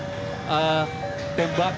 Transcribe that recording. tadi juga saya masih mendengar reinhardt